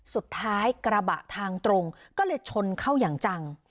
สุดท้ายกระบะทางตรงก็เลยชนเข้าอย่างจัง